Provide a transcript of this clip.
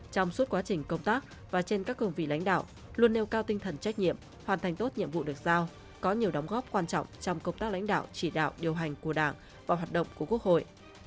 trong suốt quá trình công tác và trên các công vị lãnh đạo luôn nêu cao tinh thần trách nhiệm hoàn thành tốt nhiệm vụ được giao có nhiều đóng góp quan trọng trong công tác lãnh đạo chỉ đạo điều hành của đảng và hoạt động của quốc hội